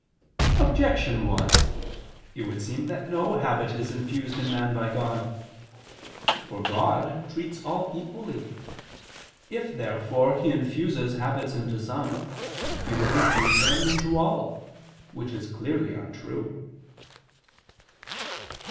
Objection 1: It would seem that no habit is infused in man by God. For God treats all equally. If therefore He infuses habits into some, He would infuse them into all: which is clearly untrue.